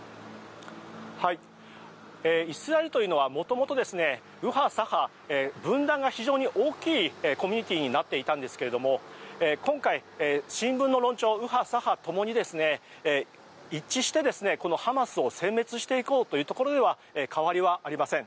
イスラエルというのは元々、右派、左派分断が非常に大きいコミュニティーになっていたんですが今回、新聞の論調は右派左派ともに一致してこのハマスをせん滅していこうというところでは変わりはありません。